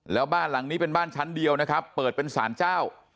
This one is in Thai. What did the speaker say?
แล้วบ้านหลังนี้เป็นบ้านชั้นเดียวนะครับเปิดเป็นสารเจ้า